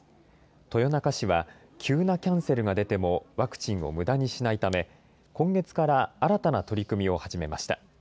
豊中市は、急なキャンセルが出てもワクチンをむだにしないため、今月から新たな取り組みを始めました。